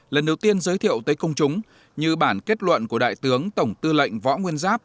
lần đầu tiên giới thiệu tới công chúng như bản kết luận của đại tướng tổng tư lệnh võ nguyên giáp